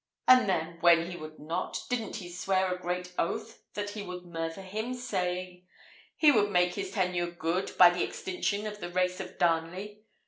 And then, when he would not, didn't he swear a great oath that he would murther him, saying, 'he would make his tenure good by the extinction of the race of Darnley?'